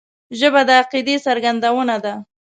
ژبه د عقیدې څرګندونه ده